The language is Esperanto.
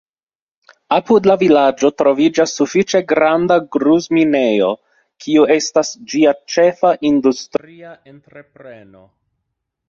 Apud la vilaĝo troviĝas sufiĉe granda gruz-minejo, kiu estas ĝia ĉefa industria entrepreno.